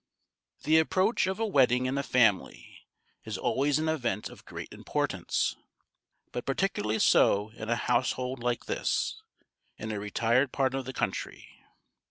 The approach of a wedding in a family is always an event of great importance, but particularly so in a household like this, in a retired part of the country.